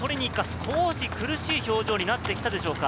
少し苦しい表情になってきたでしょうか？